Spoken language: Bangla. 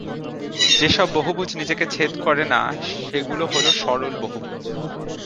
যেসব বহুভুজ নিজেকে ছেদ করে না সেগুলো হল সরল বহুভুজ।